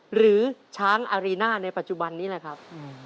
หรือช้างอารีน่าในปัจจุบันนี้แหละครับ